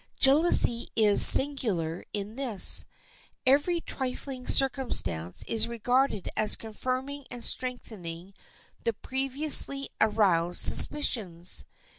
Jealousy is singular in this: every trifling circumstance is regarded as confirming and strengthening the previously aroused suspicions.